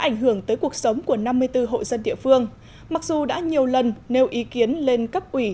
ảnh hưởng tới cuộc sống của năm mươi bốn hộ dân địa phương mặc dù đã nhiều lần nêu ý kiến lên cấp ủy